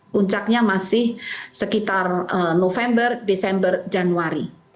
puncaknya masih sekitar november desember januari